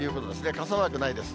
傘マークないです。